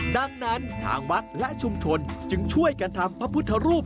ดังนั้นทางวัดและชุมชนจึงช่วยกันทำพระพุทธรูป